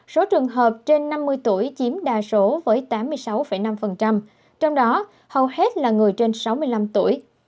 số trường hợp trên năm mươi tuổi chiếm đa số với tám mươi sáu năm trong đó hầu hết là người trên sáu mươi năm tuổi